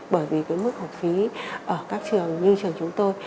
bởi vì cái mức học phí ở các trường như trường chúng tôi